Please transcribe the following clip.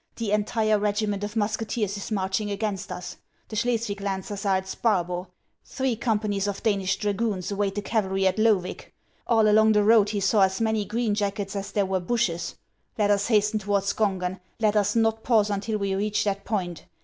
The entire regiment of musket eers is marching against us. The Schleswig lancers are at Sparbo ; three companies of Danish dragoons await the cavalry at Loevig. All along the road he saw as many green jackets as there were bushes. Let us hasten toward Skongen ; let us not pause until we reach that point.